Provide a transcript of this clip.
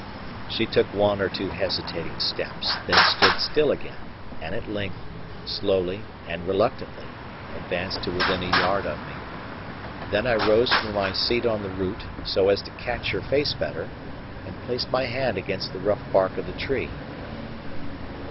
She took one or two hesitating steps, then stood still again; and at length, slowly and reluctantly, advanced to within a yard of me. Then I rose from my seat on the root, so as to catch her face better, and placed my hand against the rough bark of the tree.